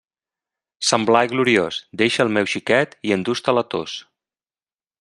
Sant Blai gloriós, deixa el meu xiquet i endús-te la tos.